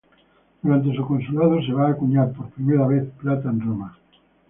Durante su consulado se va a acuñar por vez primera plata en Roma.